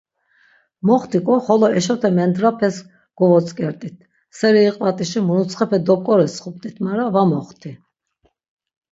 Moxtik̆o xolo eşote mendrapes govotzk̆ert̆it, seri iqvaşiti muruntsxepe dop̆k̆orotsxupt̆it mara va moxti.